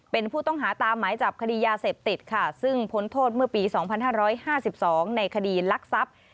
เป็นผู้ต้องหาตามหมายจับคดียาเสพติดค่ะซึ่งผลโทษเมื่อปีสองพันห้าร้อยห้าสิบสองในคดีลักษัพย์